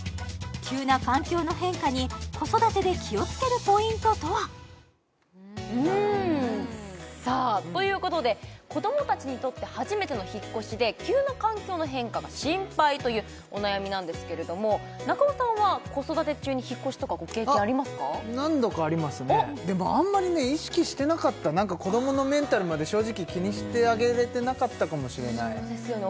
急な環境の変化に子育てで気をつけるポイントとはうんさあということで子どもたちにとって初めての引っ越しで急な環境の変化が心配というお悩みなんですけれども中尾さんは子育て中に引っ越しとかご経験ありますか何度かありますねでもあんまりね意識してなかった子どものメンタルまで正直気にしてあげれてなかったかもしれないそうですよね